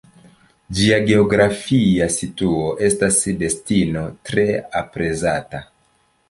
Ĝia geografia situo estas destino tre aprezata.